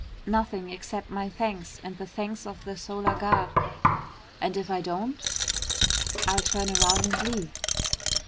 "Nothing, except my thanks and the thanks of the Solar Guard." "And if I don't?" "I'll turn around and leave."